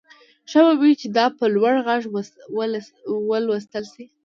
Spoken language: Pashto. ښه به وي چې دا په لوړ غږ ولوستل شي